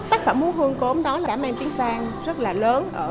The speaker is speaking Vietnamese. tác phẩm hương cớm đó đã mang tiếng vang rất là lớn